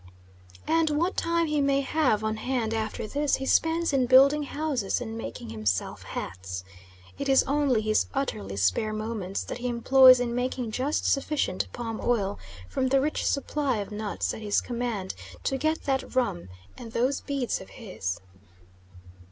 And what time he may have on hand after this, he spends in building houses and making himself hats. It is only his utterly spare moments that he employs in making just sufficient palm oil from the rich supply of nuts at his command to get that rum and those beads of his.